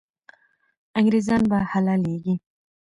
انګریزان به حلالېږي.